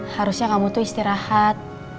harusnya kamu tuh istirahat